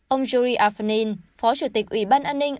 ông yuri afanin phó chủ tịch ủy ban an ninh